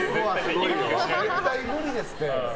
絶対無理ですって。